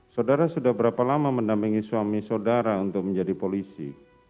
saudara sudah berapa lama mendampingi suami saudara untuk menjadi polisi